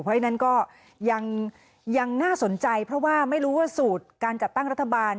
เพราะฉะนั้นก็ยังน่าสนใจเพราะว่าไม่รู้ว่าสูตรการจัดตั้งรัฐบาล